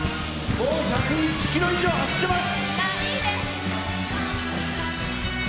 もう１０１キロ以上走ってます。